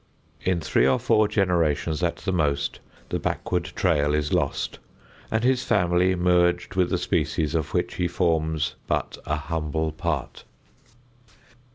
In three or four generations at the most the backward trail is lost and his family merged with the species of which he forms but a humble part.